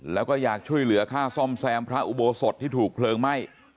แล้วก็อยากช่วยเหลือค่าซ่อมแซมพระอุโบสถที่ถูกเพลิงไหม้